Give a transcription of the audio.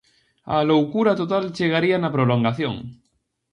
A loucura total chegaría na prolongación.